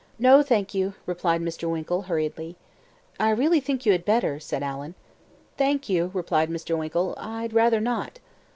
"No, thank you," replied Mr. Winkle hurriedly. "I really think you had better," said Allen. "Thank you," replied Mr. Winkle "I'd rather not."